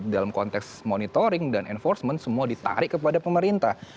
dalam konteks monitoring dan enforcement semua ditarik kepada pemerintah